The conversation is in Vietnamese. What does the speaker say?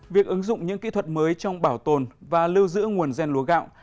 việc ứng dụng những kỹ thuật mới trong bảo tồn và lưu giữ nguồn gen lúa gạo